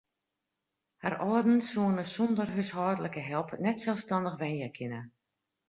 Har âlden soene sonder húshâldlike help net selsstannich wenje kinne.